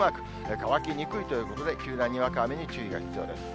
乾きにくいということで、急なにわか雨に注意が必要です。